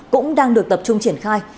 cũng đang được tập trung triển khai